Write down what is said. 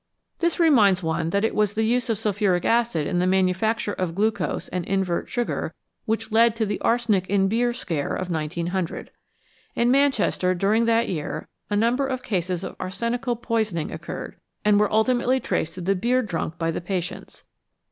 This reminds one that it was the use of sulphuric acid in the manufacture of glucose and invert sugar which led to the "arsenic in beer" scare of 1900. In Manchester during that year a number of cases of arsenical poisoning occurred, and were ultimately traced to the beer drunk by the patients.